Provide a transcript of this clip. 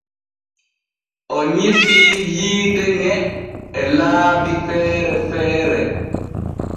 O nyifii yiite ŋe e laabi feere feere.